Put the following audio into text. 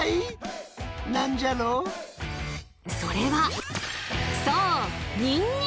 それはそう！